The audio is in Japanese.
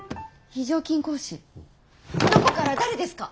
非常勤講師どこから誰ですか？